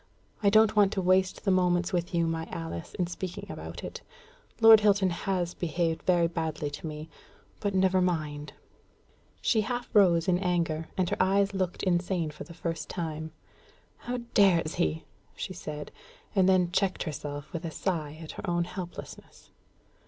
I don't want to waste the moments with you, my Alice, in speaking about it. Lord Hilton has behaved very badly to me; but never mind." She half rose in anger; and her eyes looked insane for the first time. "How dares he?" she said, and then checked herself with a sigh at her own helplessness.